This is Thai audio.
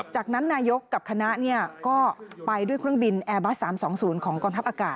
จากนั้นนายกกับคณะก็ไปด้วยเครื่องบินแอร์บัส๓๒๐ของกองทัพอากาศ